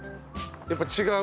やっぱ違う？